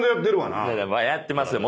やってますよ。